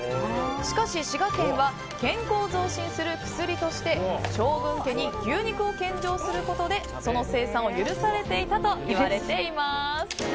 しかし、滋賀県は健康を増進する薬として将軍家に牛肉を献上することでその生産を許されていたといわれています。